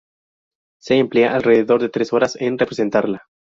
Se emplea alrededor de tres horas en representarla.